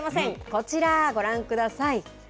こちらご覧ください。